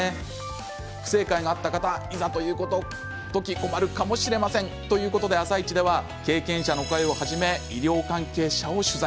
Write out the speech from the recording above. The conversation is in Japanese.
不正解があった方いざという時困るかもしれませんよ。というわけで「あさイチ」では経験者の声をはじめ医療関係者を取材。